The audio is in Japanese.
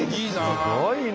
すごいね！